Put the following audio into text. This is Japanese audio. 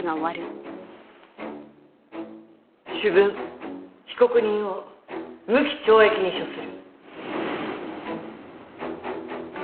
主文被告人を無期懲役に処する。